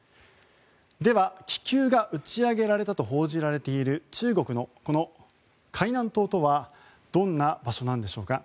では、気球が打ち上げられたと報じられている中国の海南島とはどんな場所なんでしょうか。